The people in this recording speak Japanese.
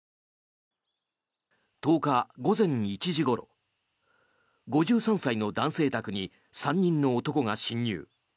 １０日午前１時ごろ５３歳の男性宅に３人の男が侵入。